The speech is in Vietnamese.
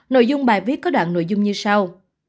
nội dung bài viết có đoạn nội dung như sau